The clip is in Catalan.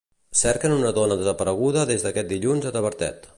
Cerquen una dona desapareguda des d'aquest dilluns a Tavertet.